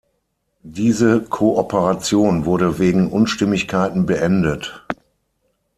Diese Kooperation wurde wegen Unstimmigkeiten beendet.